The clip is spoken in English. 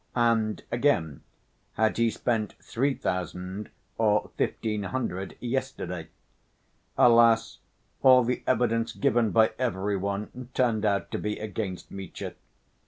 And again had he spent three thousand or fifteen hundred yesterday? Alas, all the evidence given by every one turned out to be against Mitya.